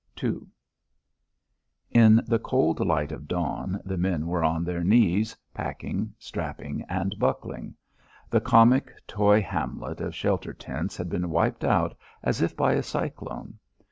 II In the cold light of dawn the men were on their knees, packing, strapping, and buckling. The comic toy hamlet of shelter tents had been wiped out as if by a cyclone.